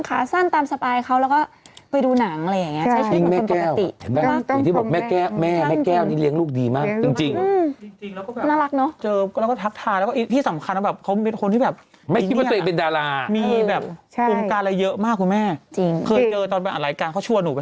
ขาสั้นตามสบายเขาแล้วก็ไปดูหนังใช้ชีวิตเหมือนคนปกติ